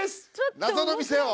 「謎の店を」